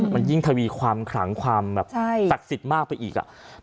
มันยิ่งทวีความขลังความแบบศักดิ์สิทธิ์มากไปอีกอ่ะ